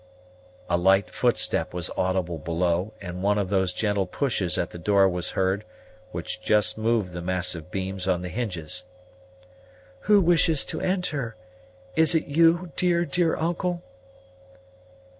A light footstep was audible below, and one of those gentle pushes at the door was heard, which just moved the massive beams on the hinges. "Who wishes to enter? Is it you, dear, dear uncle?"